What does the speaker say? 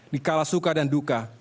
dikala suka dan duka